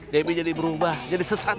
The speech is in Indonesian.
debbie jadi berubah jadi sesat